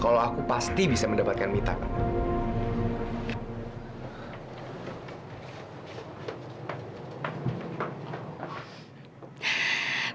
kalau aku pasti bisa mendapatkan mita kak